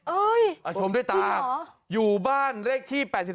เอ้ยพี่หออ่ะชมด้วยตามอยู่บ้านเลขที่๘๓